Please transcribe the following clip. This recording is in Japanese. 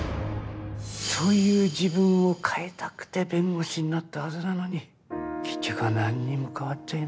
そういう自分を変えたくて弁護士になったはずなのに結局は何にも変わっちゃいなかった。